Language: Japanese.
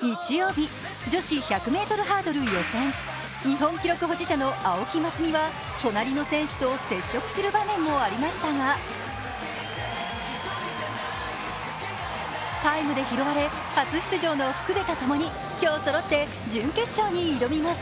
日曜日、女子１００ｍハードル予選日本記録保持者の青木益未は隣の選手と接触する場面もありましたがタイムで拾われ初出場の福部とともに今日そろって、準決勝に挑みます。